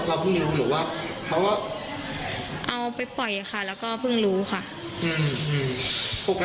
เราเพิ่งรู้หรือว่าเขาก็เอาไปปล่อยค่ะแล้วก็เพิ่งรู้ค่ะ